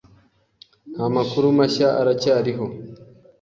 Nta makuru mashya aracyariho.